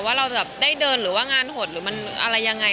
ว่าเราจะได้เดินหรือว่างานหดหรือมันอะไรยังไง